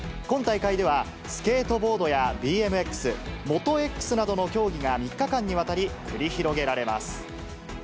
今大会では、スケートボードやＢＭＸ、モトＸなどの競技が３日間にわたり繰り広げられます。